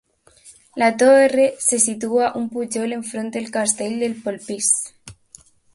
La torre se situa un pujol enfront del castell de Polpís.